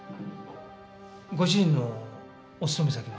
ご主人のお勤め先は？